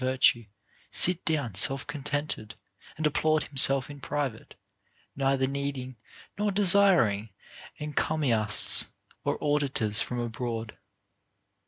virtue sit down self contented, and applaud himself in private, neither needing nor desiring encomiasts or auditors from abroad.